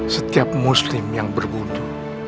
setiap muslim yang berbudu